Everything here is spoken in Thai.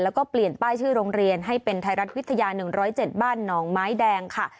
แล้วก็เปลี่ยนป้ายชื่อโรงเรียนให้เป็นไทยรัฐวิทยา๑๐๗บ้านหนองไม้แดงค่ะ